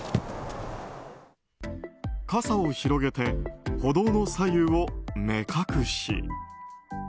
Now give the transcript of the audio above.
傘を広げて歩道の左右を目隠し。